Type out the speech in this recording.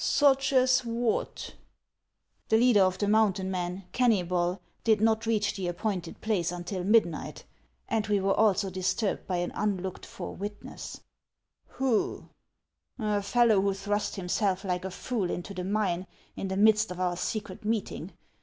" Such as what ?"" The leader of the mountain men, Kennybol, did not reach the appointed place until midnight ; and we were also disturbed by an unlooked for witness." " Who ?" HANS OF ICELAND. 359 " A fellow who thrust himself like a fool into the mine in the midst of our secret meeting.